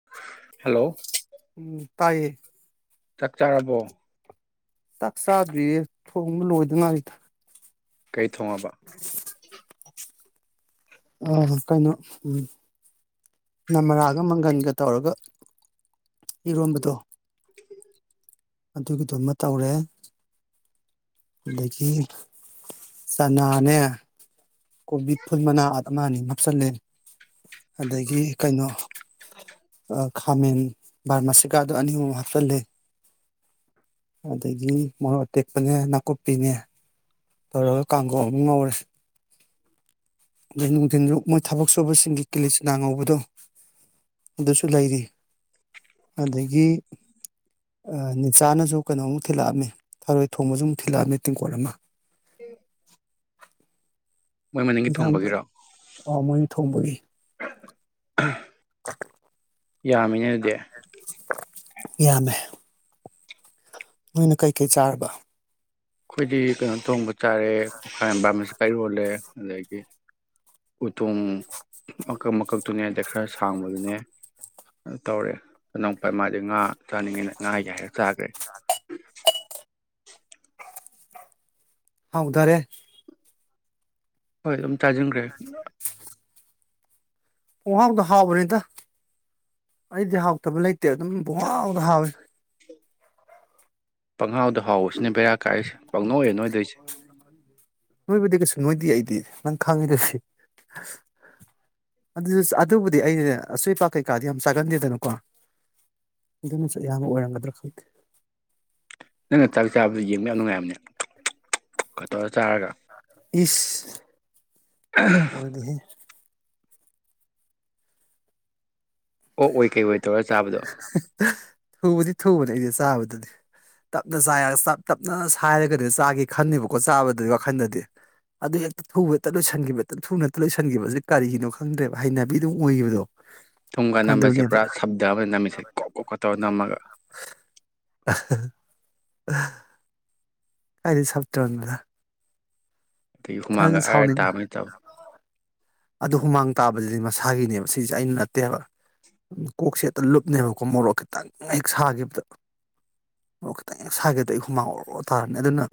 [inaudible] hello ꯎꯝ ꯇꯥꯏꯌꯦ ꯆꯥꯛ ꯆꯥꯔꯕꯣ ꯆꯥꯛ ꯆꯥꯗ꯭ꯔꯤꯌꯦ ꯊꯣꯡꯕ ꯂꯣꯏꯗ ꯉꯥꯢꯔꯤꯗ ꯀꯩ ꯊꯣꯡꯉꯕ ꯑ ꯀꯩꯅꯣ ꯎꯝ ꯅꯝꯔꯥꯒ ꯃꯪꯒꯟꯒ ꯇꯧꯔꯒ ꯏꯔꯣꯟꯕꯗꯣ ꯑꯗꯨꯒꯤꯗꯨꯃ ꯇꯧꯔꯦ ꯑꯗꯒꯤ ꯆꯅꯥꯅꯦ ꯀꯣꯕꯤ ꯐꯨꯜ ꯃꯅꯥ ꯑꯃ ꯑꯅꯤ ꯍꯥꯞꯆꯜꯂꯦ ꯑꯗꯒꯤ ꯀꯩꯅꯣ ꯈꯥꯃꯦꯟ ꯕꯥꯔꯃꯥꯁꯤꯀꯥꯗꯣ ꯑꯅꯤ ꯑꯍꯨꯝ ꯍꯥꯞꯆꯜꯂꯦ ꯑꯗꯒꯤ ꯃꯣꯔꯣꯛ ꯑꯇꯦꯛꯄꯅꯦ ꯅꯥꯀꯨꯞ ꯀꯨꯞꯄꯤꯅꯦ ꯇꯧꯔꯒ ꯀꯥꯡꯉꯧ ꯑꯃ ꯉꯧꯔꯦ ꯑꯗꯩ ꯅꯨꯡꯊꯤꯜꯖꯨ ꯃꯣꯏ ꯊꯕꯛ ꯁꯨꯕꯁꯤꯡꯒꯤ ꯀꯤꯂꯤꯆꯅꯥ ꯉꯧꯕꯗꯣ ꯑꯗꯨꯁꯨ ꯂꯩꯔꯤ ꯑꯗꯒꯤ ꯑꯥ ꯅꯤꯟꯆꯥꯅꯁꯨ ꯀꯩꯅꯣꯝꯃ ꯊꯤꯜꯂꯛꯑꯝꯃꯤ ꯊꯔꯣꯏ ꯊꯣꯡꯕꯁꯨ ꯑꯃꯨꯛ ꯊꯤꯜꯂꯛꯑꯝꯃꯤ ꯇꯦꯡꯀꯣꯠ ꯑꯃ ꯃꯣꯏ ꯃꯅꯤꯡꯒꯤ [unintelligible] ꯊꯣꯡꯕꯒꯤꯔꯣ ꯑꯧ ꯃꯣꯏꯅ ꯊꯣꯡꯕꯒꯤ ꯀ ꯌꯥꯝꯃꯤꯅꯦ ꯑꯗꯨꯗꯤ ꯌꯥꯝꯃꯦ ꯅꯣꯏꯅ ꯀꯩꯀꯩ ꯆꯥꯔꯕ ꯈꯣꯏꯗꯤ ꯀꯩꯅꯣ ꯇꯣꯡꯕ ꯆꯥꯔꯦ [unintelligible] ꯀꯩꯔꯣꯜꯂꯦ ꯑꯗꯒꯤ ꯎꯇꯨꯡ ꯃꯀꯛ ꯃꯀꯛꯇꯨꯅꯦ ꯑꯗꯩ ꯈꯔ ꯁꯥꯡꯕꯗꯨꯅꯦ ꯑ ꯇꯧꯔꯦ ꯑꯅꯧꯄꯥꯏ ꯃꯥꯗꯤ ꯉꯥ ꯆꯥꯅꯤꯡꯉꯦꯅ ꯉꯥ ꯌꯥꯏꯔ ꯆꯥꯈ꯭ꯔꯦ ꯍꯥꯎꯗꯔꯦ ꯍꯣꯏ ꯑꯗꯨꯝ ꯆꯥꯖꯤꯟꯈ꯭ꯔꯦ ꯄꯨꯍꯥꯎꯗ ꯍꯥꯎꯒ꯭ꯔꯦꯗ ꯑꯩꯗꯤ ꯍꯥꯎꯇꯕ ꯂꯩ ꯇꯦ ꯑꯗꯨꯝ ꯄꯨꯡꯍꯥꯎꯗ ꯍꯥꯎꯋꯦ ꯄꯪꯍꯥꯎꯗ ꯍꯥꯎꯋꯦ ꯁꯤꯅꯦ ꯕꯦꯔꯥ ꯀꯥꯏꯔꯤꯁꯦ ꯄꯪꯅꯣꯏꯗ ꯅꯣꯏꯗꯣꯏꯁꯦ ꯗꯦ ꯑꯩꯗꯤ ꯅꯪ ꯈꯪꯉꯤꯗꯨꯗꯤ ꯑꯗꯨꯁꯨ ꯑꯗꯨꯕꯨꯗꯤ ꯑꯩꯅꯅꯦ ꯑꯆꯣꯏ ꯑꯄꯥ ꯀꯩꯀꯥꯗꯤ ꯌꯥꯝ ꯆꯥꯒꯟꯗꯦꯗꯅꯀꯣ ꯑꯗꯨꯅꯁꯨ ꯑꯌꯥꯝꯕ ꯑꯣꯏꯔꯝꯒꯗ꯭ꯔꯥ ꯈꯪꯗꯦ ꯅꯪꯅ ꯆꯥꯛ ꯆꯥꯕꯗꯨ ꯌꯦꯡꯕ ꯌꯥꯝ ꯅꯨꯡꯉꯥꯏꯕꯅꯦ [unintelligible] ꯀꯇꯧꯔ ꯏꯁ ꯑꯣꯏꯗꯦꯍꯦ ꯑꯣꯛ ꯑꯣꯏ ꯀꯩ ꯑꯣꯏ [unintelligible] ꯆꯥꯕꯗꯣ ꯊꯨꯕꯗꯤ ꯊꯨꯕꯅꯦ ꯑꯩꯗꯤ ꯆꯥꯕꯗꯗꯤ ꯇꯞꯅ ꯆꯥꯏꯔꯒ ꯆꯥꯛ ꯇꯞꯅ ꯁꯥꯏꯔꯒꯗꯤ ꯆꯥꯒꯦ ꯈꯟꯅꯤꯕꯀꯣ ꯆꯥꯕꯗꯨꯏ ꯋꯥꯈꯟꯗꯗꯤ ꯑꯗꯨ ꯍꯦꯛꯇ ꯊꯨꯕ ꯍꯦꯛꯇ ꯂꯣꯏꯁꯟꯈꯤꯕ ꯍꯦꯛꯇ ꯊꯨꯅ ꯍꯦꯇ ꯂꯣꯏꯁꯟꯈꯤꯕ ꯁꯤ ꯀꯔꯤꯒꯤꯅꯣ ꯈꯪꯗ꯭ꯔꯦꯕ ꯍꯩꯅꯕꯤꯗꯨꯝ ꯑꯣꯏꯒꯤꯕꯗꯣ ꯊꯨꯝꯒꯥ ꯅꯝꯕꯁꯦ ꯄꯨꯔꯥ ꯁꯝ ꯌꯥꯕ ꯑꯩ ꯅꯝꯃꯤꯁꯦ ꯀꯣ ꯀꯣꯛꯀ ꯇꯧꯔ ꯅꯝꯃꯒ [unintelligible] [inaudible] ꯀꯥꯏꯗꯩ ꯁꯞꯇꯔꯅꯣꯗ ꯀꯩ ꯍꯨꯃꯥꯡꯒ ꯑ꯭ꯔ ꯇꯥꯕꯩꯊꯧ ꯑꯗꯨ ꯍꯨꯃꯥꯡ ꯇꯥꯕꯁꯤꯗꯤ ꯃꯁꯥꯒꯤꯅꯦꯕ ꯁꯤꯁꯦ ꯑꯩꯅ ꯅꯠꯇꯦꯕ ꯀꯣꯛꯁꯦꯍꯦꯇ ꯂꯨꯞꯅꯦꯕꯀꯣ ꯃꯣꯔꯣꯛꯀ ꯀꯟꯅ ꯍꯦꯛ ꯁꯥꯈꯤꯕꯗ ꯃꯣꯔꯣꯛ ꯈꯤꯇꯪ ꯍꯦꯛ ꯁꯥꯈꯤꯕꯗꯣ ꯑꯩ ꯍꯨꯃꯥꯡ ꯑꯣꯔꯣꯛ ꯇꯥꯔꯅꯤ ꯑꯗꯨꯅ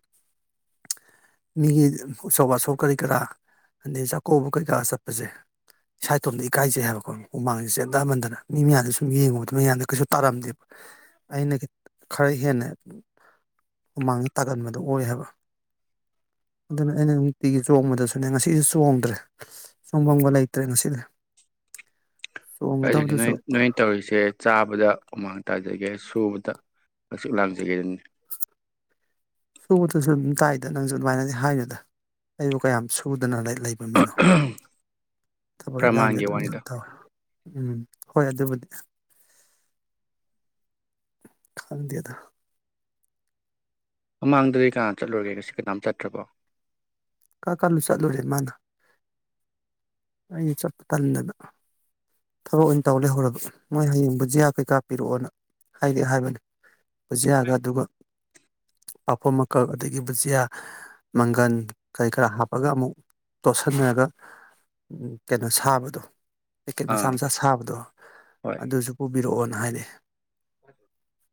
ꯃꯤꯒꯤ ꯎꯁꯣꯞ ꯋꯥꯁꯣꯞ ꯀꯔꯤ ꯀꯔꯥ ꯑꯗꯩ ꯆꯥꯛꯀꯧꯕ ꯀꯩꯀꯥ ꯆꯠꯄꯁꯦ ꯏꯁꯥꯏꯇꯣꯝꯗ ꯏꯀꯥꯏꯖꯩ ꯍꯥꯏꯕꯀꯣ ꯍꯨꯃꯥꯡꯁꯦ ꯆꯦꯟꯊꯃꯟꯗꯅ ꯃꯤ ꯃꯌꯥꯝꯖ ꯁꯨꯝ ꯌꯦꯡꯉꯨꯕꯗ ꯃꯌꯥꯝꯗꯣ ꯀꯩꯁꯨ ꯇꯥꯔꯝꯗꯦꯕ ꯑꯩꯅ ꯈꯔ ꯍꯦꯟꯅ ꯍꯨꯃꯥꯡꯁꯦ ꯇꯥꯒꯟꯕꯗꯣ ꯑꯣꯏ ꯍꯥꯏꯕ ꯑꯗꯨꯅ ꯑꯩꯅ ꯅꯨꯡꯇꯤꯒꯤ ꯆꯣꯡꯕꯗꯁꯨꯅꯦ ꯉꯁꯤꯁꯨ ꯆꯣꯡꯗ꯭ꯔꯦ ꯆꯣꯡꯕꯝꯒ ꯂꯩꯇ꯭ꯔꯦ ꯉꯁꯤꯗꯤ ꯑꯗꯨꯗꯤ ꯅꯣꯏ ꯆꯣꯡꯒꯗꯕꯗꯨꯁꯨ ꯅꯣꯏ ꯇꯧꯔꯤꯁꯦ ꯆꯥꯕꯗ ꯍꯨꯃꯥꯡ ꯇꯥꯖꯒꯦ ꯁꯨꯕꯗ ꯍꯪꯆꯤꯠ ꯂꯥꯡꯖꯒꯦꯗꯨꯅꯤ ꯁꯨꯕꯗꯁꯨ ꯑꯗꯨꯝ ꯇꯥꯏꯗ ꯅꯪꯁꯨ ꯑꯗꯨꯃꯥꯏꯅꯗꯤ ꯍꯥꯏꯅꯨꯗ ꯑꯩꯕꯨ ꯀꯌꯥꯝ ꯁꯨꯗꯅ ꯂꯩ ꯂꯩꯕ ꯃꯤꯅꯣ [inaudible] ꯊꯕꯛ ꯏꯟꯒꯥꯡꯗꯤ ꯄ꯭ꯔꯃꯥꯟꯒꯤ ꯑꯗꯨꯝ ꯋꯥꯅꯤꯗ ꯇꯧꯋꯦ ꯎꯝ ꯍꯣꯏ ꯑꯗꯨꯕꯨꯗꯤ [inaudible] ꯈꯪꯗꯦꯗ [unintelligible] ꯅꯥ ꯆꯠꯂꯨꯔꯒꯦ ꯉꯁꯤ ꯀꯅꯥꯝ ꯆꯠꯇ꯭ꯔꯕꯣ ꯀꯥ ꯀꯥꯂꯨ ꯆꯠꯂꯨꯔꯦ ꯃꯥꯅ ꯑꯩ ꯆꯠꯄ ꯇꯟꯗꯅ ꯊꯕꯛ ꯑꯣꯏꯅ ꯇꯧ ꯂꯩꯍꯧꯔꯕ ꯃꯣꯏ ꯍꯌꯦꯡ ꯕꯨꯖꯤꯌꯥ ꯀꯩꯀꯥ ꯄꯤꯔꯛꯑꯣꯅ ꯍꯥꯏꯗꯤ ꯍꯥꯏꯕꯅꯦ ꯕꯨꯖꯤꯌꯥꯒ ꯑꯗꯨꯒ ꯄꯥꯐꯣꯔ ꯃꯀꯛ ꯑꯗꯒꯤ ꯕꯨꯖꯤꯌꯥ ꯃꯪꯒꯟ ꯀꯩꯀ꯭ꯔꯥ ꯑꯃꯨꯛ ꯇꯣꯠꯁꯟꯅꯔꯒ ꯀꯩꯅꯣ ꯁꯥꯕꯗꯣ ꯀꯦꯛ ꯃꯆꯥ ꯑꯥ ꯃꯆꯥ ꯁꯥꯕꯗꯣ ꯍꯣꯏ ꯑꯗꯨꯁꯨ ꯄꯨꯕꯤꯔꯛꯑꯣꯅꯦ ꯍꯥꯏꯔꯛ ꯑꯦ [inaudible]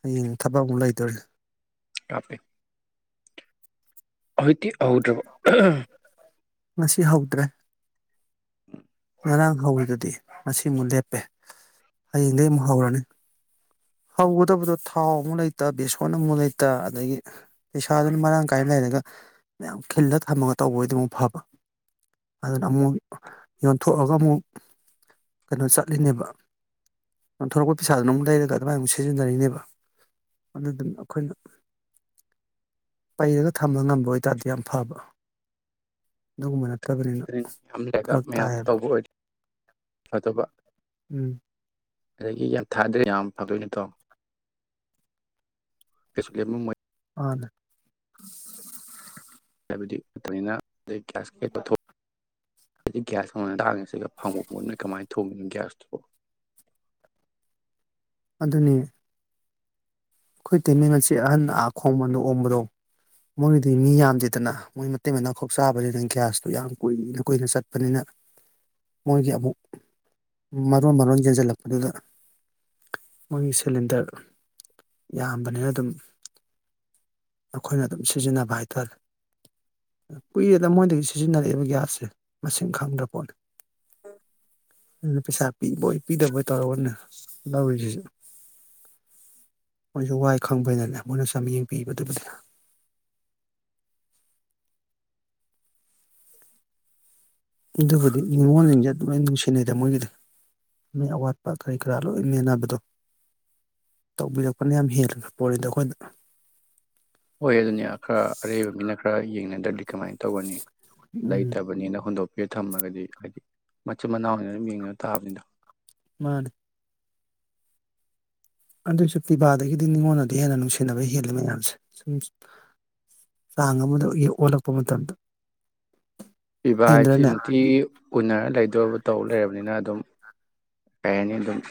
ꯍꯌꯦꯡ ꯊꯕꯛ ꯑꯃꯨꯛ ꯂꯩꯗꯧꯔꯤ ꯀꯥꯄꯤ ꯍꯧꯖꯤꯛꯇꯤ ꯍꯧꯗ꯭ꯔꯤꯕꯣ ꯉꯁꯤ ꯍꯧꯗ꯭ꯔꯦ ꯉꯔꯥꯡ ꯍꯧꯔꯗꯨꯗꯤ ꯉꯁꯤꯃꯨꯛ ꯂꯦꯞꯄꯦ ꯍꯌꯦꯡꯗꯒꯤ ꯑꯃꯨꯛ ꯍꯧꯔꯅꯤ ꯍꯧꯒꯗꯕꯗꯣ ꯊꯥꯎ ꯑꯃꯨꯛ ꯂꯩꯇ ꯕꯦꯁꯣꯟ ꯑꯃꯨꯛ ꯂꯩꯇ ꯑꯗꯒꯤ ꯄꯩꯁꯥꯗꯨꯅ ꯃꯔꯥꯡ ꯀꯥꯏꯅ ꯂꯩꯔꯒ ꯃꯌꯥꯝ ꯈꯤꯜꯂ ꯊꯝꯃꯒ ꯇꯧꯕꯣꯏꯗꯤ ꯑꯃꯨꯛ ꯐꯕ ꯑꯗꯨꯅ ꯑꯃꯨꯛ ꯌꯣꯟꯊꯣꯛꯑꯒ ꯑꯃꯨꯛ ꯀꯩꯅꯣ ꯆꯠꯂꯤꯅꯦꯕ ꯌꯣꯟꯊꯣꯔꯛꯄ ꯄꯩꯁꯥꯗꯨꯅ ꯑꯃꯨꯛ ꯂꯩꯔꯒ ꯑꯗꯨꯃꯥꯏꯅ ꯑꯃꯨꯛ ꯁꯤꯖꯤꯟꯅꯔꯤꯅꯦꯕ ꯑꯗꯨꯗꯨꯝ ꯑꯩꯈꯣꯏꯅ ꯄꯩꯔꯒ ꯊꯝꯕ ꯉꯝꯕ ꯑꯣꯏꯇꯥꯔꯗꯤ ꯌꯥꯝ ꯐꯕ ꯑꯗꯨꯒꯨꯝꯕꯅ ꯅꯠꯇꯕꯅꯤꯅ ꯑꯗꯨꯅꯤꯅꯦ ꯌꯥꯝ ꯂꯩꯔꯒ ꯐꯔꯛ ꯃꯌꯥꯝ ꯇꯧꯕ ꯑꯣꯏꯔꯤ ꯐꯗꯧꯕ ꯎꯝ ꯑꯗꯒꯤ ꯌꯥꯝ ꯊꯥꯗꯨꯢ ꯌꯥꯝ ꯐꯗꯣꯢꯅꯤ ꯀꯣ ꯀꯩꯁꯨ ꯂꯦꯝꯃꯝꯃꯣꯏ ꯃꯥꯅꯦ ꯍꯥꯏꯕꯗꯤ ꯂꯩꯇꯅꯤꯅ ꯇꯩ ꯒ꯭ꯌꯥꯁ ꯍꯦꯛ ꯄꯥꯊꯣꯛ ꯍꯨꯖꯤꯛ ꯒ꯭ꯌꯥꯁ ꯃꯃꯟ ꯇꯥꯛꯉꯤꯁꯤꯒ ꯐꯪꯕ ꯄꯣꯠꯅꯤ ꯅꯣꯢ ꯀꯃꯥꯏ ꯊꯣꯡꯅꯤ ꯒ꯭ꯌꯥꯁꯇꯣ ꯑꯗꯨꯅꯤ ꯑꯩꯈꯣꯏ ꯇꯩꯃ ꯉꯁꯤ ꯑꯥ ꯈꯣꯡꯕꯗ ꯑꯣꯡꯕꯗꯣ ꯃꯣꯏꯒꯤꯗꯤ ꯃꯤ ꯌꯥꯝꯗꯦꯗꯅ ꯃꯣꯏ ꯃꯇꯩ ꯃꯅꯥꯎꯈꯛ ꯆꯥꯕꯅꯤꯅ ꯒ꯭ꯌꯥꯁꯇꯨ ꯌꯥꯝ ꯀꯨꯏꯅ ꯀꯨꯏꯅ ꯆꯠꯄꯅꯤꯅ ꯃꯣꯏꯒꯤ ꯑꯃꯨꯛ ꯃꯔꯣꯟ ꯃꯔꯣꯟ ꯌꯦꯟꯁꯤꯜꯂꯛꯄꯗꯨꯗ ꯃꯣꯏꯒꯤ ꯁꯤꯂꯤꯟꯗꯔ ꯌꯥꯝꯕꯅꯤꯅ ꯑꯗꯨꯝ ꯑꯩꯈꯣꯏꯅ ꯑꯗꯨꯝ ꯁꯤꯖꯤꯟꯅꯕ ꯍꯥꯏꯇꯥꯔꯦ ꯀꯨꯏꯔꯦꯗ ꯃꯣꯏꯗꯒꯤ ꯁꯤꯖꯤꯟꯅꯔꯛꯏꯕ ꯒ꯭ꯌꯥꯁꯁꯦ ꯃꯁꯤꯡ ꯈꯪꯗ꯭ꯔ ꯄꯣꯠꯅꯤ ꯑꯗꯨꯅ ꯄꯩꯁꯥ ꯄꯤꯕꯣꯏ ꯄꯤꯗꯕꯣꯏ ꯇꯧꯔꯒꯅꯦ ꯂꯧꯔꯤꯁꯤꯁꯨ ꯃꯣꯏꯁꯨ ꯋꯥꯏ ꯈꯪꯕꯩꯅꯅꯦ ꯃꯣꯏꯅ ꯌꯝꯌꯦꯡ ꯄꯤꯕꯗꯨꯕꯨꯗꯤ ꯑꯗꯨꯕꯨꯗꯤ ꯅꯤꯡꯅꯤꯉꯣꯜꯁꯤꯡꯁꯦ ꯑꯗꯨ ꯂꯣꯏ ꯅꯨꯡꯁꯤꯅꯩꯗ ꯃꯣꯏꯒꯤꯗꯤ ꯃꯣꯏ ꯑꯋꯥꯠꯄ ꯀꯔꯤ ꯀꯔꯥ ꯂꯣꯏ ꯃꯦꯟꯅꯕꯗꯣ ꯇꯧꯕꯤꯔꯛꯄꯅ ꯌꯥꯝ ꯍꯦꯜꯂꯤ ꯄꯣꯠꯅꯤꯗ ꯑꯩꯈꯣꯏꯗ ꯍꯣꯏ ꯑꯗꯨꯅꯦ ꯈꯔ ꯑꯔꯩꯕ ꯃꯤꯅ ꯈꯔ ꯌꯦꯡꯅꯗꯗꯤ ꯀꯃꯥꯏ ꯇꯧꯒꯅꯤ ꯎꯝ ꯂꯩꯇꯕꯅꯤꯅ ꯍꯨꯟꯗꯣꯛ ꯑꯩꯗ ꯊꯝꯃꯒꯗꯤ ꯍꯥꯏꯗꯤ ꯃꯆꯤꯟ ꯃꯅꯥꯎꯅꯤ ꯑꯗꯨꯝ ꯌꯦꯡꯅꯕ ꯇꯥꯕꯅꯤꯗ ꯃꯥꯅꯦ ꯑꯗꯨꯁꯨ ꯄꯤꯕꯥꯗꯒꯤꯗꯤ ꯅꯤꯡꯉꯣꯟꯅꯗꯤ ꯍꯦꯟꯅ ꯅꯨꯡꯁꯤꯅꯕ ꯍꯦꯜꯜꯂꯦ ꯃꯌꯥꯝꯁꯦ ꯁꯨꯝ ꯆꯥꯡ ꯑꯃꯗ ꯑꯩꯒꯤ ꯑꯣꯜꯂꯛ ꯄꯨ ꯃꯇꯝꯗ ꯄꯤꯕ ꯍꯥꯏꯁꯤ ꯍꯦꯟꯗ꯭ꯔꯅꯦ ꯅꯨꯡꯇꯤ ꯎꯅꯔ ꯂꯩꯗꯕ ꯇꯧ ꯂꯩꯔꯕꯅꯤꯅ ꯑꯗꯨꯝ ꯀꯔꯅꯤ ꯑꯗꯨꯝꯝ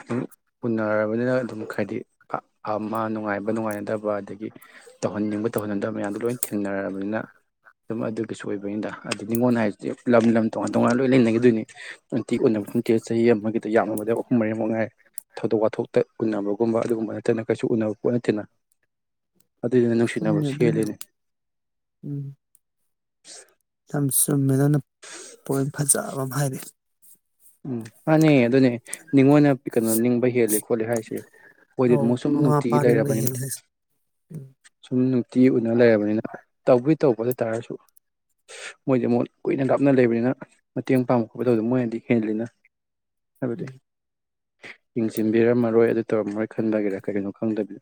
ꯎꯅꯔꯕꯅꯤꯅ ꯑꯗꯨꯝ ꯍꯥꯏꯗꯤ ꯑꯃ ꯅꯨꯡꯉꯥꯏꯕ ꯅꯨꯡꯉꯥꯏꯅꯗꯕ ꯑꯗꯒꯤ ꯇꯧꯍꯟꯅꯤꯡꯕ ꯇꯧꯍꯟꯅꯤꯡꯗꯕ ꯃꯌꯥꯝꯗꯣ ꯂꯣꯏ ꯊꯦꯡꯅꯔꯕꯅꯤꯅ ꯑꯗꯨꯝ ꯑꯗꯨꯒꯤꯁꯨ ꯑꯣꯏꯕꯅꯤꯗ ꯑꯗꯨ ꯅꯤꯡꯉꯣꯟꯜ ꯍꯥꯏꯁꯤꯗꯤ ꯂꯝ ꯂꯝ ꯇꯣꯉꯥꯟ ꯇꯣꯉꯥꯟꯅ ꯂꯣꯏ ꯂꯩꯅꯈꯤꯗꯣꯏꯅꯤ ꯅꯨꯡꯇꯤꯛ ꯎꯅꯕ ꯅꯠꯇꯦ ꯆꯍꯤ ꯑꯃꯒꯤ ꯑ ꯌꯥꯝꯂꯕꯗ ꯑꯍꯨꯝ ꯃꯔꯤꯃꯛꯨꯛ ꯉꯥꯏ ꯊꯧꯗꯣꯛ ꯋꯥꯊꯣꯛꯇ ꯎꯟꯅꯕꯒꯨꯝꯕ ꯑꯗꯨꯒꯨꯝꯕ ꯅꯠꯇꯅ ꯀꯩꯁꯨ ꯎꯅꯕ ꯄꯣꯠ ꯅꯠꯇꯦꯅ ꯑꯗꯨꯏꯗꯨꯁꯨ ꯅꯨꯡꯁꯤꯅꯕ ꯆꯨꯝꯃꯦ ꯑꯗꯨꯕꯨꯗꯤ ꯁꯦꯜꯂꯤꯅꯦ [unintelligible] ꯊꯝꯁ ꯆꯨꯝꯃꯦ ꯅꯪꯅ ꯄꯣꯏꯟ ꯐꯖ ꯑꯃ ꯍꯥꯏꯔꯤ ꯎꯝ ꯃꯥꯟꯅꯦ ꯑꯗꯨꯅꯦ ꯅꯤꯡꯉꯣꯟꯅ ꯀꯅꯣ ꯅꯤꯡꯕ ꯍꯦꯜꯂꯦ ꯈꯣꯠꯂꯦ ꯍꯥꯏꯁꯦ ꯃꯣꯏꯗꯤ ꯑꯧ ꯑꯗꯨꯝ ꯁꯨꯝ ꯃꯃꯥ ꯃꯄꯥ ꯅꯨꯡꯇꯤꯒꯤ ꯅꯪꯅ ꯂꯩꯔꯕꯅꯤꯅ ꯍꯦꯜꯂꯦ ꯍꯥꯏꯁꯦ ꯁꯨꯝ ꯅꯨꯡꯇꯤꯒꯤ ꯎꯟꯅ ꯂꯩꯔꯕꯅꯤꯅ ꯇꯧꯕꯨꯗꯤ ꯇꯧꯕ ꯑꯗꯨꯇꯥꯥꯔꯁꯨ ꯃꯣꯏꯗꯤ ꯃꯨꯛ ꯀꯨꯏꯅ ꯂꯥꯞꯅ ꯂꯩꯕꯅꯤꯅ ꯃꯇꯦꯡ ꯄꯥꯡꯕ ꯈꯣꯠꯄ ꯇꯧꯗ ꯃꯣꯏꯅꯗꯤ ꯍꯦꯟꯂꯤꯅ ꯍꯥꯏꯕꯗꯤ ꯎꯝ ꯌꯦꯡꯁꯤꯟꯕꯤꯔꯝꯃꯔꯣꯏ ꯑꯗꯨ ꯇꯧꯔꯝꯃꯔꯣꯏ ꯈꯟꯕꯒꯤꯔꯥ ꯀꯩꯒꯤꯅꯣ ꯈꯪꯗꯕꯤꯗ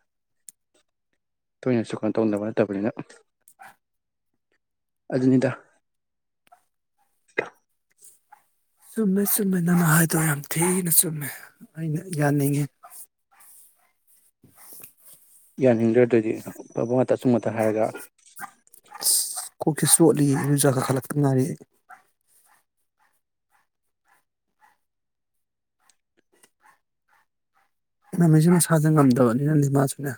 ꯇꯣꯏꯅ ꯁꯨ ꯀꯥꯅꯣ ꯇꯧꯅꯗꯕ ꯅꯠꯇꯕꯅꯤꯅ [inaudible] ꯑꯗꯨꯅꯤꯗ ꯆꯨꯝꯃꯦ ꯆꯨꯝꯃꯦ ꯅꯪꯅ ꯍꯥꯏꯗꯣ ꯌꯥꯝ ꯊꯤꯅ ꯆꯨꯝꯃꯦ ꯑꯩꯅ ꯌꯥꯅꯤꯡꯉꯤ [inaudible] ꯌꯥꯅꯤꯡꯗ꯭ꯔ ꯗꯗꯤ ꯑꯐꯕ ꯉꯥ ꯇꯁꯨꯨꯝꯃꯠꯇ ꯍꯥꯏꯔꯒ ꯀꯣꯛꯁꯤ ꯆꯣꯠꯂꯤ ꯏꯔꯨꯖꯥ ꯀꯥꯈꯠꯂꯛꯇ ꯉꯥꯏꯔꯤ ꯉꯃꯤꯖꯨ ꯃꯁꯥꯖꯦ ꯉꯝꯗꯕꯅꯤꯅ ꯃꯥꯖꯨꯅꯦ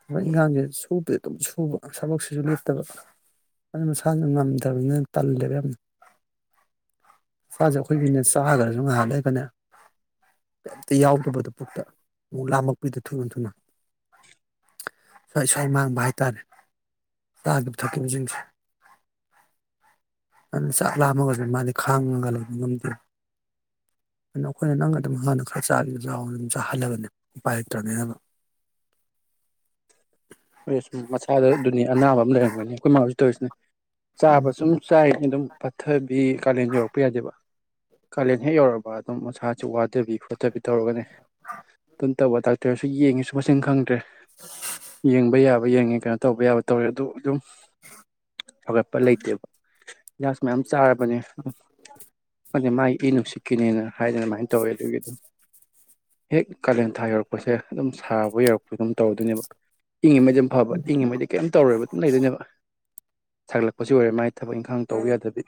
ꯊꯕꯛ ꯏꯟꯒꯥꯡꯖꯦ ꯁꯨꯗꯤ ꯑꯗꯨꯝ ꯁꯨꯕ ꯊꯕꯛꯁꯤꯖꯨ ꯂꯦꯞꯇꯕ ꯑꯗꯨ ꯃꯁꯖꯦ ꯉꯝꯗꯕꯅꯤꯅ ꯇꯜꯂꯦꯕ ꯌꯥꯝꯅ ꯃꯁꯥꯖꯦ ꯑꯩꯈꯣꯏꯒꯤꯅꯦ ꯆꯥꯒ꯭ꯔꯖꯨ ꯉꯍꯥꯛ ꯂꯩꯔꯒꯅꯦ ꯀꯩꯝꯇ ꯌꯥꯎꯗꯕꯗꯣ ꯄꯨꯛꯇ ꯑꯃꯨꯛ ꯂꯥꯝꯃꯛꯄꯤꯗ ꯊꯨꯅ ꯊꯨꯅ ꯁ꯭ꯋꯥꯏ ꯁ꯭ꯋꯥꯏ ꯃꯥꯡꯕ ꯍꯥꯏꯇꯥꯔꯦ ꯆꯥꯒꯤꯕ ꯊꯛꯈꯤꯕꯖꯤꯡꯖꯦ ꯑꯗꯨꯅ ꯆꯥꯛ ꯂꯥꯝꯃꯒꯖꯨ ꯃꯥꯗꯤ ꯈꯥꯡꯉꯒ ꯂꯩꯕ ꯉꯝꯗꯦ ꯑꯗꯨꯅ ꯑꯩꯈꯣꯏꯅ ꯅꯪꯒ ꯑꯗꯨꯝ ꯍꯥꯟꯅ ꯈꯔ ꯆꯥꯒꯦꯖꯨ ꯆꯥꯎꯔ ꯑꯗꯨꯝ ꯆꯥꯍꯜꯂꯕꯅꯦ ꯎꯄꯥꯏ ꯂꯩꯇ꯭ꯔꯕꯅꯤꯅꯕ ꯑꯁ ꯃꯁꯥꯗ ꯑꯗꯨꯅꯤ ꯑꯅꯥꯕ ꯑꯃ ꯂꯩꯔꯝꯒꯅꯤ ꯑꯩꯈꯣꯏ ꯃꯥꯍꯣꯏꯁꯨ ꯇꯧꯏꯁꯤꯅꯤ ꯎꯝ ꯆꯥꯕ ꯁꯨꯝ ꯆꯥꯏꯉꯤ ꯑꯗꯨꯝ ꯄꯠꯊꯕꯤ ꯀꯥꯂꯦꯟ ꯌꯧꯔꯛꯄ ꯌꯥꯗꯦꯕ ꯀꯥꯂꯦꯟ ꯍꯦꯛ ꯌꯧꯔꯕ ꯑꯗꯨꯝ ꯃꯁꯥꯖꯦ ꯋꯥꯗꯕꯤ ꯄꯠꯊꯕꯤ ꯇꯧꯔꯒꯅꯦ ꯇꯕ ꯗꯥꯛꯇꯔꯁꯨ ꯌꯦꯡꯉꯤꯁꯨ ꯃꯁꯤꯡ ꯈꯪꯗ꯭ꯔꯦ [inaudible] ꯌꯦꯡꯕ ꯌꯥꯕ ꯌꯦꯡꯉꯦ ꯀꯩꯅꯣ ꯇꯧꯕ ꯌꯥꯕ ꯇꯧꯔꯦ ꯑꯗꯣ ꯑꯗꯨꯝ ꯐꯒꯠꯄ ꯂꯩꯇꯦꯕ [unintelligible] ꯃꯌꯥꯝ ꯆꯥꯔꯕꯅꯦ ꯑ [inaudible] ꯈꯪꯗꯦ ꯃꯥ ꯏ ꯅꯨꯡꯁꯤꯠꯀꯤꯅꯦꯅ ꯍꯥꯏꯗꯅ ꯑꯗꯨꯃꯥꯏꯅ ꯇꯧꯋꯦ ꯑꯗꯨꯒꯤ ꯍꯦꯛ ꯀꯥꯂꯦꯟ ꯊꯥ ꯌꯧꯔꯛꯄꯖꯦ ꯑꯗꯨꯝ ꯁꯥꯕ ꯌꯧꯔꯛꯄ ꯑꯗꯨꯝ ꯇꯧꯔꯗꯣꯏꯅꯦꯕ ꯏꯪꯉꯤ ꯃꯩꯗꯤ ꯗꯨꯝ ꯐꯕ ꯏꯉꯤꯃꯩꯗꯤ ꯀꯩꯝ ꯇꯧꯔꯣꯏꯕ ꯑꯗꯨꯝ ꯂꯩꯗꯣꯏꯅꯦꯕ ꯁꯥꯒꯠꯂꯛꯄꯖꯦ ꯑꯣꯏꯔꯦ ꯃꯥꯥꯏ ꯊꯕꯛ ꯏꯪꯈꯥꯡ ꯇꯧꯕ ꯌꯥꯗꯕꯤ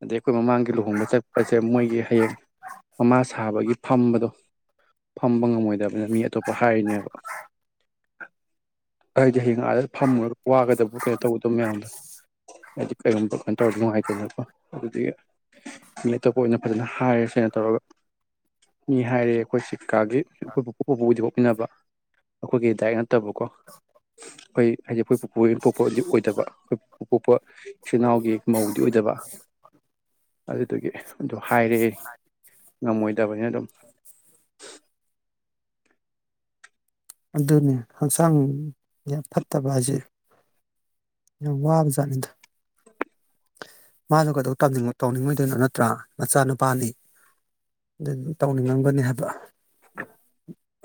ꯑꯗꯩ ꯑꯩꯈꯣꯏ ꯃꯃꯥꯡꯒꯤ ꯂꯨꯍꯣꯡꯕ ꯆꯠꯄꯖꯦ ꯃꯣꯏꯒꯤ ꯍꯌꯦꯡ ꯃꯃꯥ ꯁꯥꯕꯒꯤ ꯐꯝꯕꯗꯣ ꯐꯝꯕ ꯉꯝꯃꯣꯏ ꯗꯕꯅꯤꯅ ꯃꯤ ꯑꯇꯣꯞꯄ ꯍꯥꯏꯔꯤꯅꯦꯕ ꯑꯩ ꯗꯤ ꯍꯌꯦꯡ ꯑꯥꯗ ꯐꯝꯃꯨꯔꯒ ꯋꯥꯒꯗꯕ ꯀꯅꯣ ꯇꯧꯒꯗꯕ ꯃꯌꯥꯝꯗꯣ ꯍꯥꯏꯗꯤ ꯀꯩꯒꯨꯝꯕ ꯀꯅꯣ ꯇꯧꯔꯗꯤ ꯅꯨꯡꯉꯥꯏꯇꯦꯗꯅꯀꯣ ꯑꯗꯨꯗꯨꯒꯤ ꯂꯩꯇꯕ ꯑꯣꯏꯅ ꯑꯗꯨꯅ ꯍꯥꯏꯔꯁꯦ ꯇꯧꯔꯒ ꯃꯤ ꯍꯥꯏꯔꯦ ꯑꯩꯈꯣꯏꯁꯤ ꯀꯥꯒꯤ ꯑꯩꯈꯣꯏꯄꯨꯄꯨ ꯕꯣꯕꯣꯛꯀꯤꯗꯤꯀꯣ ꯄꯤꯅꯕ ꯑꯩꯈꯣꯏꯒꯤ [unintelligible] ꯇꯕꯀꯣ ꯈꯣꯏ ꯍꯥꯏꯗꯤ ꯑꯩꯈꯣꯏ ꯄꯨ ꯑꯣꯏ ꯌꯦ ꯄꯣꯛꯄ ꯑꯗꯨꯗꯤ ꯑꯣꯏꯗꯕ ꯄ ꯄꯣꯛꯄ ꯏꯆꯤꯟ ꯏꯅꯥꯎꯒꯤ ꯃꯧꯗꯤ ꯑꯣꯏꯗꯕ ꯑꯗ ꯑꯗꯒꯤ ꯑꯗꯣ ꯍꯥꯏꯔꯛꯑꯦ ꯉꯝꯃꯣꯏꯗꯕꯅꯤꯅ ꯑꯗꯨꯝ ꯑꯗꯨꯅꯤ ꯍꯛꯆꯥꯡ ꯌꯥꯝ ꯐꯠꯇꯕ ꯍꯥꯏꯁꯦ ꯌꯥꯝ ꯋꯥꯕꯖꯥꯠꯅꯤꯗ ꯃꯥꯅ ꯀꯩꯗꯧ ꯇꯧꯅꯤꯡꯉꯣꯏꯗꯣꯏꯅꯣ ꯅꯠꯇ꯭ꯔꯥ ꯃꯆꯥꯅꯨꯄꯥꯅꯤ ꯑꯗꯨ ꯇꯧꯅꯤꯡꯉꯝꯒꯅꯤ ꯍꯥꯏꯕ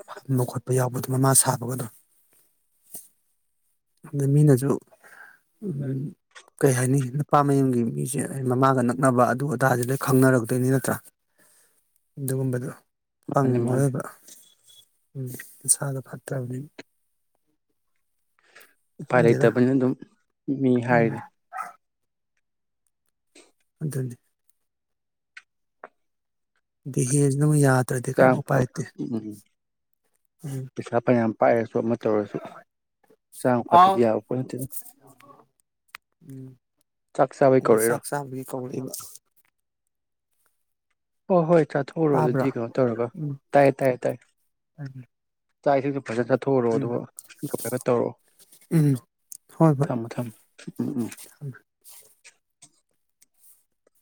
ꯐꯟꯕ ꯈꯣꯠꯄ ꯌꯥꯎꯕꯗ ꯃꯃꯥ ꯁꯥꯕꯒꯗꯣ ꯑꯗ ꯃꯤꯅꯁꯨ ꯑꯝ ꯀꯩ ꯍꯥꯏꯅꯤ ꯅꯨꯄꯥ ꯃꯌꯨꯝꯒꯤ ꯃꯤꯁꯦ ꯑꯩ ꯃꯃꯥꯒ ꯅꯛꯅꯕ ꯑꯗꯨ ꯑꯗꯥꯁꯦ ꯂꯣꯏ ꯈꯪꯅꯔꯛꯇꯣꯏꯅꯤ ꯅꯠꯇ꯭ꯔꯥ ꯑꯗꯨꯒꯨꯝꯕꯗꯣ ꯐꯪ ꯃꯥꯅꯤ ꯃꯥꯅꯤ ꯉꯣꯏꯕ ꯎꯝ ꯏꯁꯥꯗ ꯐꯠꯇ꯭ꯔꯕꯅꯤ ꯎꯄꯥꯏ ꯂꯩꯇꯕꯅꯤ ꯑꯗꯨꯝ ꯃꯤ ꯎꯝ ꯍꯥꯏꯔꯗꯤ [inaudible] ꯑꯗꯨꯅꯤ ꯗꯤꯍꯦꯖꯤꯅ ꯌꯥ ꯆꯥꯡ ꯎꯝ ꯎꯝ ꯄꯩꯁꯥ ꯐꯌꯥꯝ ꯄꯥꯏꯔꯁꯨ ꯑꯃ ꯇꯧꯔꯁꯨ ꯆꯥꯡ ꯑꯥꯎ ꯐꯗ꯭ꯔꯗꯤ ꯌꯥꯕ ꯄꯣꯠ ꯅꯠꯇꯦꯅ ꯎꯝ ꯆꯥꯛ ꯆꯥꯕꯩ ꯑꯩꯗꯤ ꯀꯧꯔꯛꯏꯔꯣ ꯆꯥꯛ ꯆꯥꯕꯒꯤ ꯀꯧꯔꯛꯏꯕ ꯍꯣ ꯍꯣꯏ ꯆꯥꯊꯣꯛꯎꯔꯨ ꯑꯗꯨꯗꯤ ꯇꯥꯕ꯭ꯔꯥ ꯀꯩꯅꯣ ꯇꯧꯔꯒ ꯎꯝ ꯇꯥꯏꯌꯦ ꯇꯥꯏꯌꯦ ꯇꯥꯏ ꯆꯥꯛ ꯏꯁꯤꯡꯗꯣ ꯐꯖ ꯆ ꯆꯊꯣꯛꯎꯔꯣ ꯎꯝ ꯑꯗꯨꯒ ꯂꯣꯏꯔꯒ ꯇꯧꯔꯛꯑꯣ ꯎꯝ ꯍꯣꯏ ꯍꯣꯏ ꯊꯝꯃꯣ ꯊꯝꯃꯣ ꯎꯝ ꯎꯝ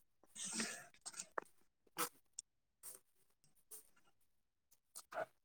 [inaudible] ꯍ